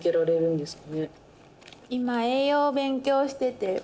今栄養を勉強してて。